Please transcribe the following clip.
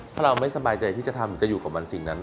ถ้าเราไม่สบายใจที่จะทำจะอยู่กับมันสิ่งนั้น